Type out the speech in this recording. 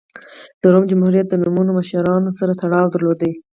د روم جمهوریت د نوموتو مشرانو سره تړاو درلود.